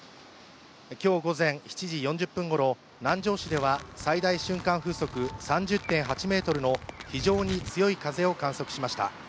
今日午前７時４０分ごろ、南城市では最大瞬間風速、３０．８メートルの非常に強い風を観測しました。